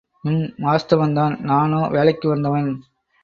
ம்... வாஸ்தவந்தான் நானோ வேலைக்கு வந்தவன்.